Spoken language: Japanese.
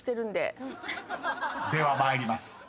［では参ります］